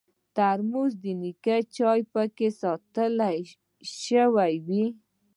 ترموز د نیکه چای پکې ساتل شوی وي.